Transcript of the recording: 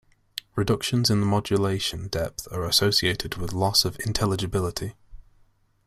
Reductions in the modulation depth are associated with loss of intelligibility.